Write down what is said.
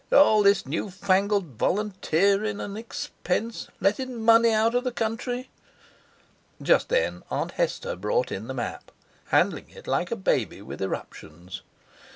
"All this new fangled volunteerin' and expense—lettin' money out of the country." Just then Aunt Hester brought in the map, handling it like a baby with eruptions.